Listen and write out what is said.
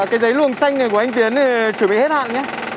cái giấy luồng xanh này của anh tiến thì chuẩn bị hết hạn nhé